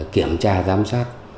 kiểm tra giám sát